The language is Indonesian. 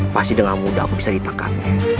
pasti dengan mudah aku bisa ditangkap